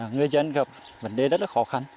người dân gặp vấn đề rất khó khăn